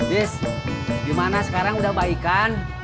bis gimana sekarang udah baik kan